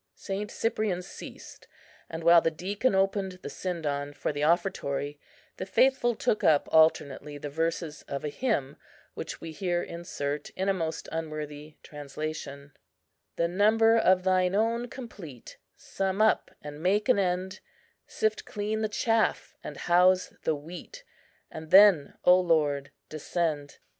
St. Cyprian ceased; and, while the deacon opened the sindon for the offertory, the faithful took up alternately the verses of a hymn, which we here insert in a most unworthy translation:— "The number of Thine own complete, Sum up and make an end; Sift clean the chaff, and house the wheat,— And then, O Lord, descend.